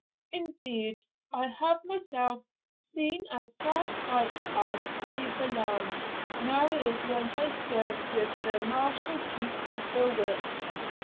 Indeed I have myself seen as sad sights as Tully Veolan now is when I served with the Marechal Duke of Berwick.